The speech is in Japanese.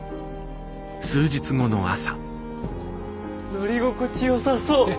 乗り心地よさそう。